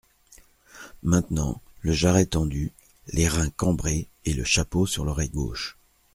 Maintenant, le jarret tendu, les reins cambrés, et le chapeau sur l’oreille gauche.